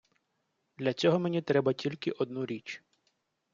Для цього мені треба тільки одну річ.